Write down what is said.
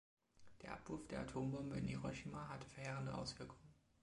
Der Abwurf der Atombombe in Hiroshima hatte verheerende Auswirkungen.